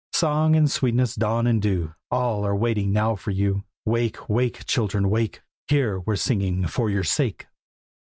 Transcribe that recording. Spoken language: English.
Song and sweetness, dawn and dew, All are waiting now for you. Wake! wake! children, wake! Here we're singing for your sake.